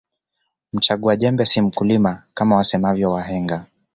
Mchagua jembe si mkulima Kama wasemavyo wahenga